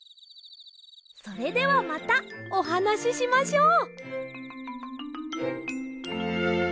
それではまたおはなししましょう。